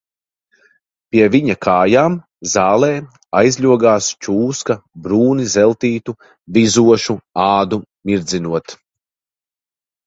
Pie viņa kājām zālē aizļogās čūska brūni zeltītu, vizošu ādu mirdzinot.